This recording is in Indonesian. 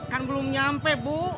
kan belum nyampe bu